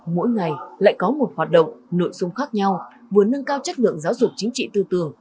mỗi ngày lại có một hoạt động nội dung khác nhau vừa nâng cao chất lượng giáo dục chính trị tư tưởng